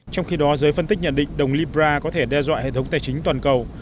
trong khi đó giới phân tích nhận định đồng libra có thể đe dọa hệ thống tài chính toàn cầu